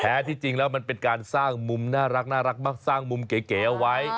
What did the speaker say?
ที่จริงแล้วมันเป็นการสร้างมุมน่ารักมักสร้างมุมเก๋เอาไว้